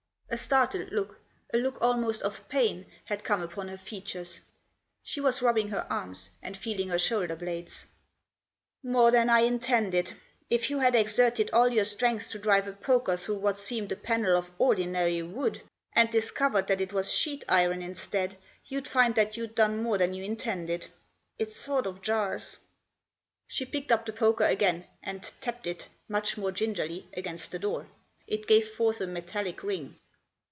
A startled look, a look almost of pain, had come upon her features. She was rubbing her arms and feeling her shoulder blades. "More than I intended. If you had exerted all your strength to drive a poker through what seemed a panel of ordinary wood, and discovered that it was sheet iron instead, you'd find that you'd done more than you intended — it sort of jars." She picked up the poker again, and tapped it, much more gingerly, against the door. It gave forth a metallic ring.